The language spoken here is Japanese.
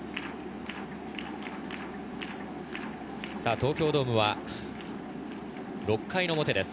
東京ドームは６回の表です。